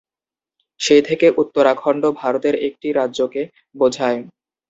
সেই থেকে উত্তরাখণ্ড ভারতের একটি রাজ্যকে বোঝায়।